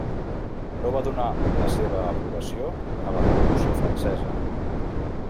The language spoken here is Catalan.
No va donar la seva aprovació a la Revolució francesa.